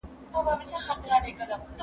زه به سیر کړی وي!